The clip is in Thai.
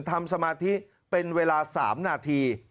สมาธิเป็นเวลา๓นาที